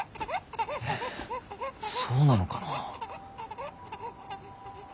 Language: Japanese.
えっそうなのかな。